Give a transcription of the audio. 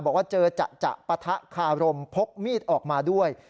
บอกว่าเจอจะปะทะคารมพกมีดออกมาด้วย